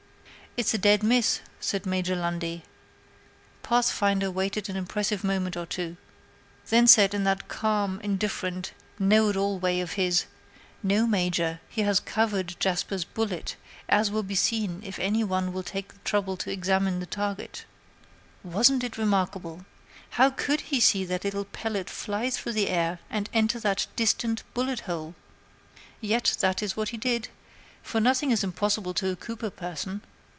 "It's a dead miss," said Major Lundie. Pathfinder waited an impressive moment or two; then said, in that calm, indifferent, know it all way of his, "No, Major, he has covered Jasper's bullet, as will be seen if any one will take the trouble to examine the target." Wasn't it remarkable! How could he see that little pellet fly through the air and enter that distant bullet hole? Yet that is what he did; for nothing is impossible to a Cooper person.